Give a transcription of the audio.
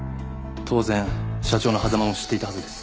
当然社長の狭間も知っていたはずです。